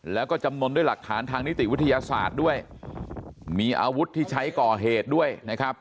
แล้วก็จำนวนด้วยหลักฐานทางนิติวิทยาศาสตร์ด้วยมีอาวุธที่ใช้ก่อเหตุด้วยนะครับ